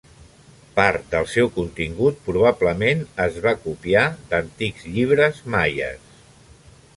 Part del seu contingut probablement es va copiar d'antics llibres Maies.